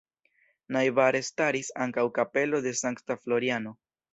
Najbare staris ankaŭ kapelo de Sankta Floriano.